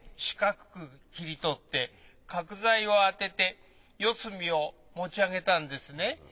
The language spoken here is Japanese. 四角く切り取って角材を当てて四隅を持ち上げたんですね。